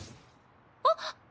あっ！